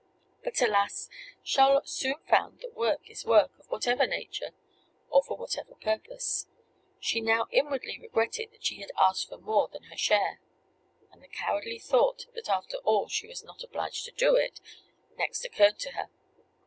But, alas! Charlotte soon found that work is work, of whatever nature, or for whatever purpose. She now inwardly regretted that she had asked for more than her share; and the cowardly thought that after all she was not obliged to do it next occurred to her.